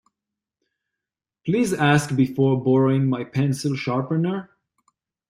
Please ask before borrowing my pencil sharpener.